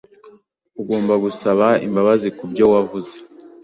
Ugomba gusaba imbabazi kubyo wavuze.